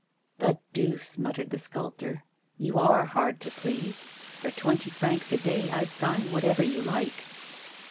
'The deuce!' muttered the sculptor; 'you are hard to please. For twenty francs a day I'd sign whatever you like.